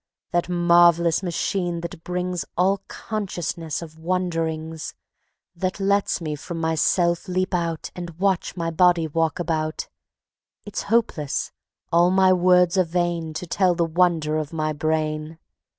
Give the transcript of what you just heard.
That marvelous machine that brings All consciousness of wonderings; That lets me from myself leap out And watch my body walk about; It's hopeless all my words are vain To tell the wonder of my Brain.